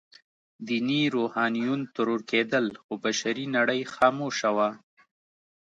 ديني روحانيون ترور کېدل، خو بشري نړۍ خاموشه وه.